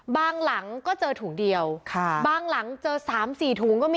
บางหลังก็เจอถุงเดียวบางหลังเจอ๓๔ถุง